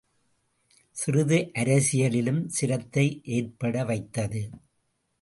சிறிது அரசியலிலும் சிரத்தை ஏற்பட வைத்தது.